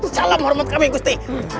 salam hormat kami gusti